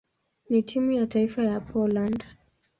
na timu ya taifa ya Poland.